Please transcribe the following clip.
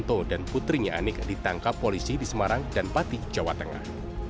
toto dan putrinya anik ditangkap polisi di semarang dan pati jawa tengah